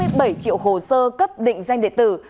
ba mươi bảy triệu hồ sơ cấp định danh điện tử